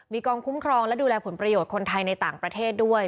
มีกองคุ้มครองและดูแลผลประโยชน์คนไทยในต่างประเทศด้วย